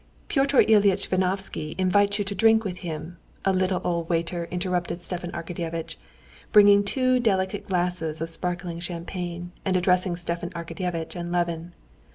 "Pyotr Illyitch Vinovsky invites you to drink with him," a little old waiter interrupted Stepan Arkadyevitch, bringing two delicate glasses of sparkling champagne, and addressing Stepan Arkadyevitch and Levin.